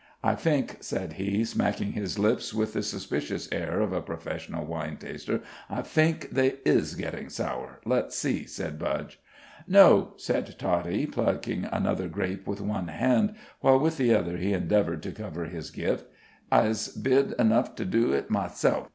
"I fink," said he, smacking his lips with the suspicious air of a professional wine taster; "I fink they is gettin' sour." "Let's see," said Budge. "No," said Toddie, plucking another grape with one hand while with the other he endeavored to cover his gift. "Ize bid enough to do it all myself.